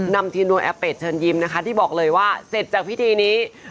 นำทีมโดยแอปเปดเชิญยิ้มนะคะที่บอกเลยว่าเสร็จจากพิธีนี้